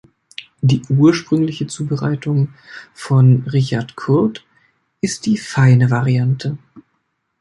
Die ursprüngliche Zubereitung von Richard Kurth ist die „feine Variante“.